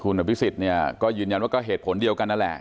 คุณพิศิษฐ์ยืนยันว่าเหตุผลเดียวกันนั่นแหละ